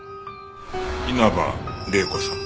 稲葉玲子さん。